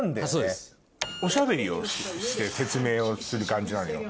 おしゃべりをして説明をする感じなのよ。